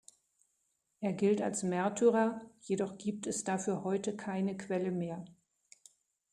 Er gilt als Märtyrer, jedoch gibt es dafür heute keine Quelle mehr.